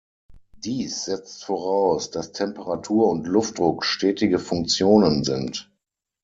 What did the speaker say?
Dies setzt voraus, dass Temperatur und Luftdruck stetige Funktionen sind.